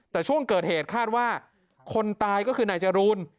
แต่ช่วงเกิดเหตุคาดว่าคนตายก็คือนายจรูน